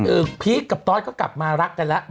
อื้อพีชกับต๊อตก็กลับมารักกันแล้ว